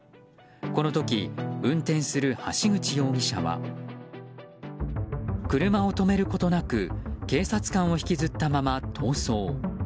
この時、運転する橋口容疑者は車を止めることなく警察官を引きずったまま逃走。